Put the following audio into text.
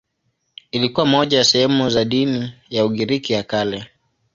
Ilikuwa moja ya sehemu za dini ya Ugiriki ya Kale.